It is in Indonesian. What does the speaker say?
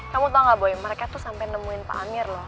kamu tau gak boy mereka tuh sampai nemuin pak amir loh